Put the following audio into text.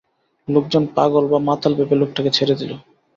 লোকজন পাগল বা মাতাল ভেবে লোকটাকে ছেড়ে দিল।